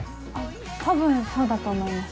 多分そうだと思います。